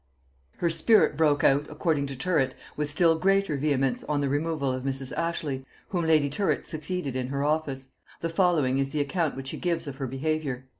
'" Her spirit broke out, according to Tyrwhitt, with still greater vehemence, on the removal of Mrs. Ashley, whom lady Tyrwhitt succeeded in her office: the following is the account which he gives of her behaviour.